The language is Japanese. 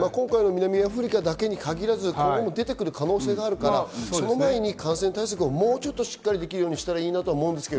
南アフリカだけに限らず今後、出てくる可能性があるから、その前に感染対策をもうちょっとしっかりできるようにしたらいいなと思います。